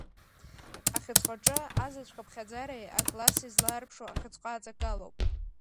Ахьыӡҟаҿы азаҵә хыԥхьаӡареи акласси злаарԥшу ахьыӡҟа аҵакалоуп.